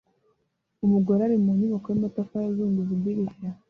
Umugore uri mu nyubako y'amatafari azunguza idirishya